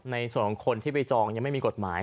ในส่วนของคนที่ไปจองยังไม่มีกฎหมาย